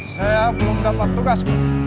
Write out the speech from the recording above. saya belum dapat tugas